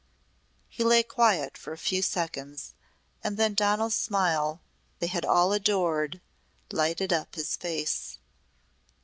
He lay quiet for a few seconds and then the Donal smile they had all adored lighted up his face.